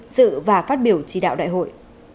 dự và phát biểu chỉ đạo đại hội